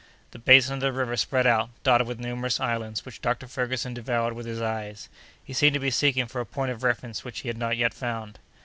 The basin of the river spread out, dotted with numerous islands, which Dr. Ferguson devoured with his eyes. He seemed to be seeking for a point of reference which he had not yet found.